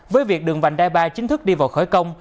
với việc đường vành đai ba chính thức đi vào khởi công